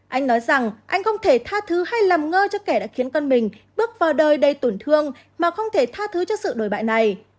anh nói rằng anh không thể tha thứ hay làm ngơ cho kẻ đã khiến con mình bước vào đời đầy tổn thương mà không thể tha thứ cho sự đổi bại này